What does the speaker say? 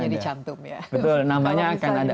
cantum ya betul namanya akan ada